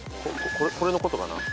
これのことかな？